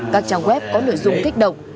các trang web có nội dung thích động